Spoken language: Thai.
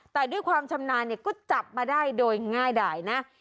แต่ด้วยความชำนาญเนี่ยก็จับมาได้โดยง่ายด่ายนะ